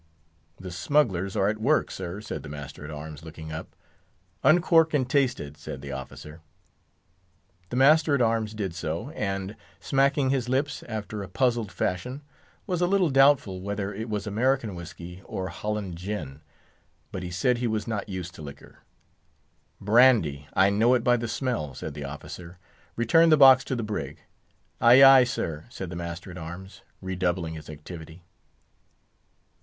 "The smugglers are at work, sir," said the master at arms, looking up. "Uncork and taste it," said the officer. The master at arms did so; and, smacking his lips after a puzzled fashion, was a little doubtful whether it was American whisky or Holland gin; but he said he was not used to liquor. "Brandy; I know it by the smell," said the officer; "return the box to the brig." "Ay, ay, sir," said the master at arms, redoubling his activity.